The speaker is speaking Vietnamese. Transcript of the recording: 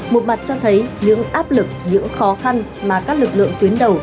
một mặt cho thấy những áp lực những khó khăn mà các lực lượng tuyến đầu